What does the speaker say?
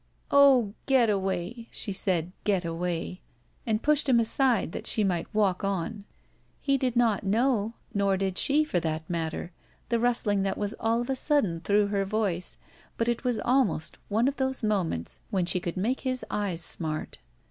"Oh, Getaway!" she said, "get away." And pushed him aside that she might walk on. He did not know, nor did she, for that matter, the rustling that was all of a sudden through her voice, but it was almost one of those moments when she could make his eyes smart.